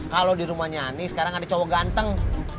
kalau di rumahnya ani sekarang ada cowok ganteng